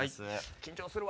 緊張するわ。